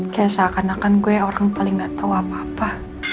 kayak seakan akan gue orang paling gak tau apa apa